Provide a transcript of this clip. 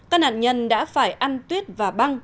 các nạn nhân đã phải ăn tuyết và băng